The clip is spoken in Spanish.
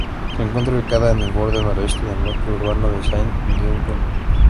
Se encuentra ubicada en el borde noroeste del núcleo urbano de Saint-Gingolph.